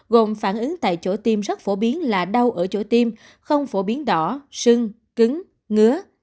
gồm phản ứng tại chỗ tiêm rất phổ biến là đau ở chỗ tiêm không phổ biến đỏ sưng cứng ngứa